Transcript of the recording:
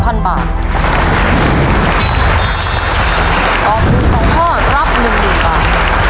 ตอบถูก๒ข้อรับ๑๐๐๐บาท